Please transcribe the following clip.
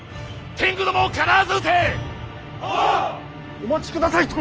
お待ちください殿！